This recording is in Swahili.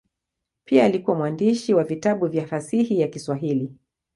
Pia alikuwa mwandishi wa vitabu vya fasihi ya Kiswahili.